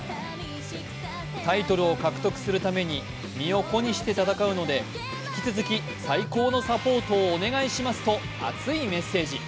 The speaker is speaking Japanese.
タイトルを獲得するために身を粉にして戦うので、引き続き最高のサポートをお願いしますと熱いメッセージ。